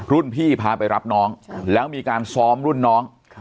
พี่พาไปรับน้องแล้วมีการซ้อมรุ่นน้อง